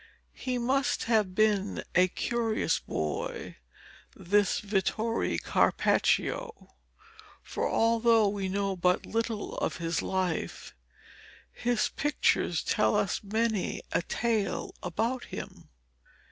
He must have been a curious boy, this Vittore Carpaccio, for although we know but little of his life, his pictures tell us many a tale about him.